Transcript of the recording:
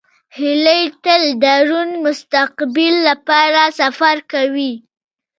هیلۍ تل د روڼ مستقبل لپاره سفر کوي